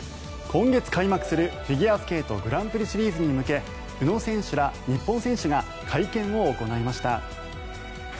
今月開幕するフィギュアスケートグランプリシリーズに向け宇野選手ら日本選手が会見を行いました。